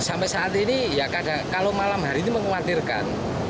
sampai saat ini ya kalau malam hari ini mengkhawatirkan